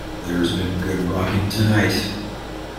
There's been Good Rockin' Tonite!